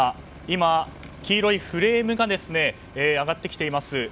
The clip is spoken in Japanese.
今、黄色いフレームが上がってきています。